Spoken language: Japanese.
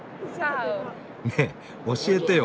ねえ教えてよ